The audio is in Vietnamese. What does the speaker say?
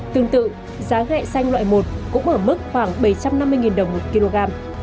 tương tự giá gẹ xanh loại một cũng ở mức khoảng bảy trăm năm mươi đồng một kg